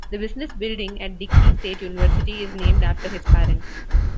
The business building at Dixie State University is named after his parents.